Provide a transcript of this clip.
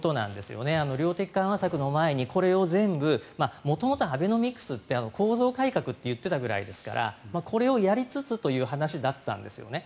量的緩和策の前にこれを全部、元々アベノミクスって構造改革と言ってたぐらいなのでこれをやりつつという話だったんですよね。